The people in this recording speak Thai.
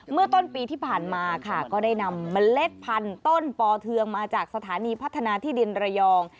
เมื่อต้นปีที่ผ่านมาค่ะก็ได้นำเมล็ดพันธุ์ต้นปอเทืองมาจากสถานีพัฒนาที่ดินระยอง